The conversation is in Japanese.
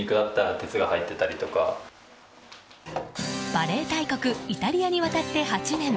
バレー大国イタリアに渡って８年。